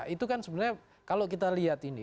itu kan sebenarnya kalau kita lihat ini